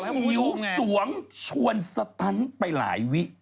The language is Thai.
สิงหิวสวงชวนสะทั้นไปหลายวิ